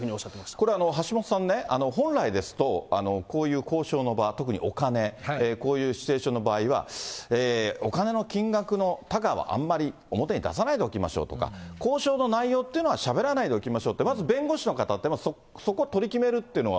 これ、橋下さんね、本来ですと、こういう交渉の場ですとか、お金、こういうシチュエーションの場合は、お金の金額の多寡は、あんまり表に出さないでおきましょうとか、交渉の内容っていうのはしゃべらないでおきましょうって、弁護士の方って、そこ、取り決めるっていうのは。